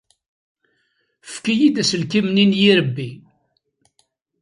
Efk-iyi-d aselkim-nni n yirebbi.